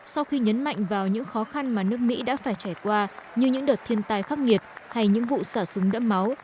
sau khi nhấn mạnh vào những khó khăn mà nước mỹ đã phải trải qua như những đợt thiên tai khắc nghiệt hay những vụ xả súng đẫm máu